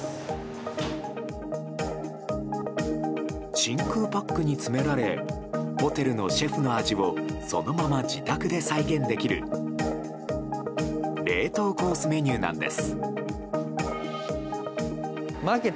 真空パックに詰められホテルのシェフの味をそのまま自宅で再現できる冷凍コースメニューなんです。